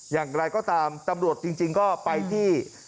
อย่างไรก็ตามตำรวจจริงก็ไปที่